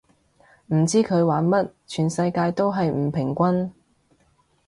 唔知佢玩乜，全世界都係唔平均